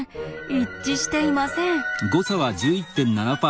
一致していません。